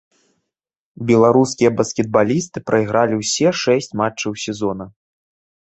Беларускія баскетбалісты прайгралі ўсе шэсць матчаў сезона.